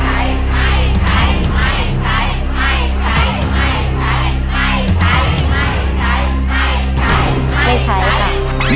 ไม่ใช้ไม่ใช้